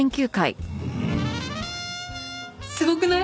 すごくない？